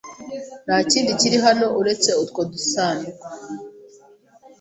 Nta kindi kiri hano uretse utwo dusanduku.